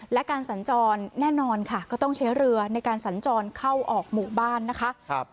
และการสัญจรแน่นอนค่ะก็ต้องใช้เรือในการสัญจรเข้าออกหมู่บ้านนะคะ